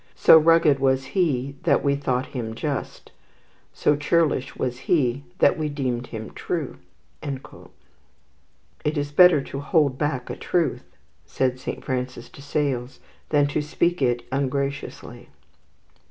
"So rugged was he that we thought him just, So churlish was he that we deemed him true." "It is better to hold back a truth," said Saint Francis de Sales, "than to speak it ungraciously."